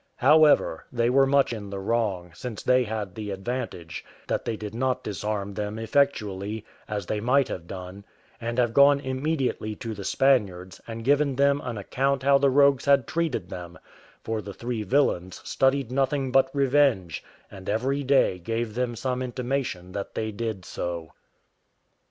However, they were much in the wrong, since they had the advantage, that they did not disarm them effectually, as they might have done, and have gone immediately to the Spaniards, and given them an account how the rogues had treated them; for the three villains studied nothing but revenge, and every day gave them some intimation that they did so.